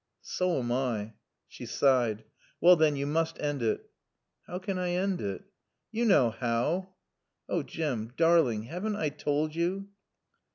"So am I." She sighed. "Wall then yo must end it." "How can I end it?" "Yo knaw how." "Oh Jim darling haven't I told you?"